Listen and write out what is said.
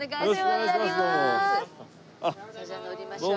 じゃあ乗りましょう。